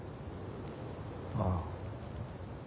ああ。